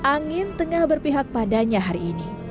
angin tengah berpihak padanya hari ini